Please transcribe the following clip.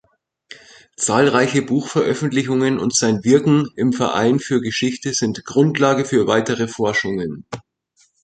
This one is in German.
Zahlreiche Buchveröffentlichungen und sein Wirken im Verein für Geschichte sind Grundlage für weitere Forschungen.